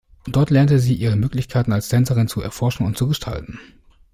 Dort lernte sie, ihre Möglichkeiten als Tänzerin zu erforschen und zu gestalten.